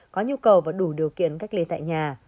có nhu cầu và đủ điều kiện cách ly tại nhà